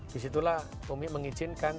disitulah ummi mengizinkan